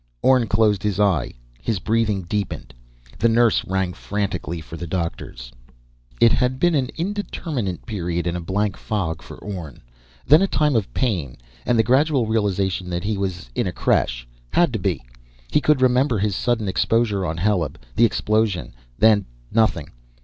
Orne closed his eye. His breathing deepened. The nurse rang frantically for the doctors. It had been an indeterminate period in a blank fog for Orne, then a time of pain and the gradual realization that he was in a creche. Had to be. He could remember his sudden exposure on Heleb, the explosion then nothing.